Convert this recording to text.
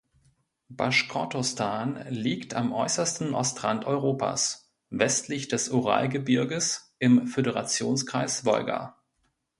Baschkortostan liegt am äußersten Ostrand Europas, westlich des Uralgebirges im Föderationskreis Wolga.